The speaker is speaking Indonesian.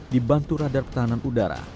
dibantu radar pertahanan udara